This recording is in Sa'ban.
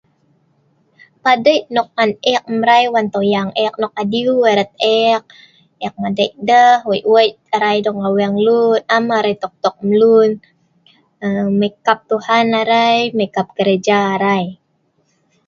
Padei' on an ek mrai wan tuyang eek nok adiu erat eek. Eek madei deh wei wei arei dong lem aweeng luen am arai tok tok mluen. Mai kap Tuhan arai, mai kap gereja arai.